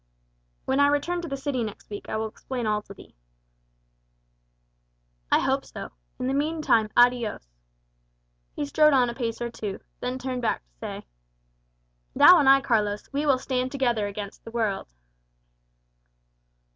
"When I return to the city next week I will explain all to thee." "I hope so. In the meantime, adios." He strode on a pace or two, then turned back to say, "Thou and I, Carlos, we will stand together against the world."